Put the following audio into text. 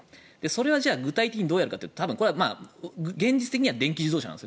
それは具体的にどうやるかというと現実的には電気自動車。